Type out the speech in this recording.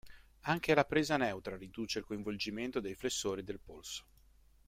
Anche la presa neutra riduce il coinvolgimento dei flessori del polso.